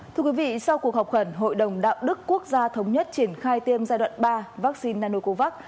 thưa quý vị sau cuộc họp khẩn hội đồng đạo đức quốc gia thống nhất triển khai tiêm giai đoạn ba vaccine nanocovax